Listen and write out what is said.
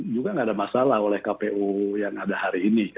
juga nggak ada masalah oleh kpu yang ada hari ini